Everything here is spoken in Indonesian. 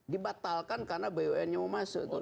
dibatalkan karena bumn nya mau masuk